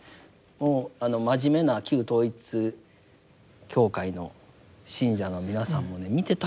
もう真面目な旧統一教会の信者の皆さんもね見てたらいいと思いますね。